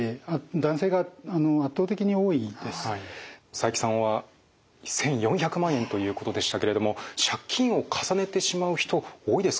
佐伯さんは１，４００万円ということでしたけれども借金を重ねてしまう人多いですか？